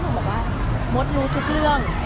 บอกว่ามดรู้ทุกเรื่อง